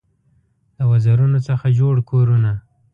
د وزرونو څخه جوړ کورونه